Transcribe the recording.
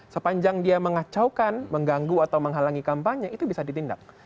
sepanjang dia mengacaukan mengganggu atau menghalangi kampanye itu bisa ditindak